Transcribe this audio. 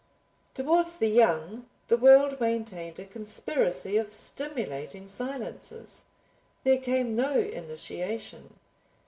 Towards the young the world maintained a conspiracy of stimulating silences. There came no initiation.